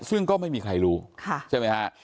ซึ่งก็ไม่มีใครรู้ใช่ไหมฮะ